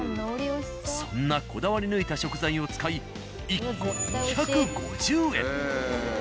そんなこだわり抜いた食材を使い１個２５０円。